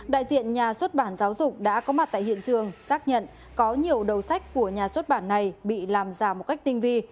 đại diện nhà xuất bản giáo dục đã có mặt tại hiện trường xác nhận có nhiều đầu sách của nhà xuất bản này bị làm giả một cách tinh vi